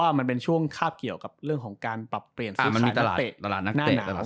ว่ามันเป็นช่วงคาบเกี่ยวกับเรื่องของการปรับเปลี่ยนสุขศาลนักเตะ